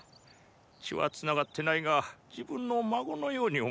血は繋がってないが自分の孫のように思っとる。